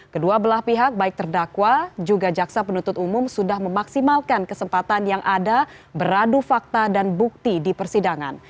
kedua belah pihak baik terdakwa juga jaksa penuntut umum sudah memaksimalkan kesempatan yang ada beradu fakta dan bukti di persidangan